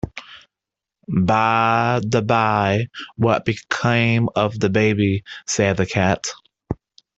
‘By-the-bye, what became of the baby?’ said the Cat.